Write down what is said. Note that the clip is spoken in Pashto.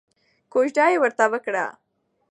کوژده یې ورته وکړه.